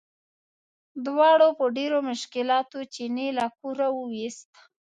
دواړو په ډېرو مشکلاتو چیني له کوره وویست.